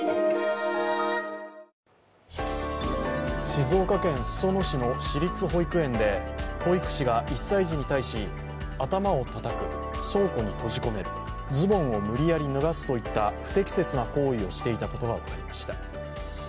静岡県裾野市の私立保育園で保育士が１歳児に対し、頭をたたく、倉庫に閉じ込める、ズボンを無理矢理脱がすといった不適切な行為をしていたことが分かりました。